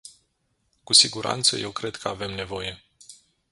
Cu siguranță, eu cred că avem nevoie.